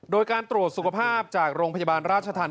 โดยการตรวจสุขภาพจากโรงพยาบาลราชธรรม